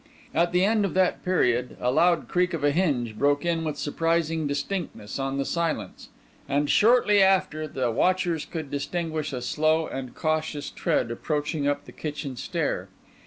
At the end of that period, a loud creak of a hinge broke in with surprising distinctness on the silence; and shortly after, the watchers could distinguish a slow and cautious tread approaching up the kitchen stair.